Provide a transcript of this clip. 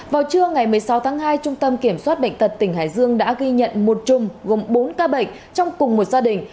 vào trưa ngày một mươi sáu tháng hai trung tâm kiểm soát bệnh tật tỉnh hải dương đã ghi nhận một chung gồm bốn ca bệnh trong cùng một gia đình